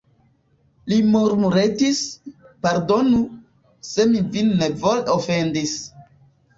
Li murmuretis: pardonu, se mi vin nevole ofendis.